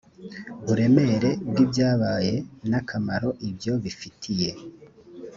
buremere bw ibyabaye n akamaro ibyo bifitiye